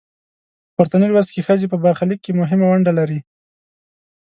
په پورتني لوست کې ښځې په برخلیک کې مهمه نډه لري.